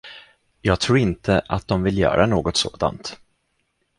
Jag tror inte, att de vill göra något sådant.